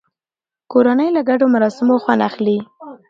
کورنۍ له ګډو مراسمو خوند اخلي